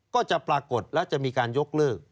ก็จะปรากฏแล้วจะมีการยกเลิก